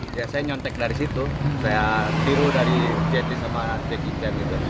saya nyontek dari situ saya tiru dari jet li sama jackie chan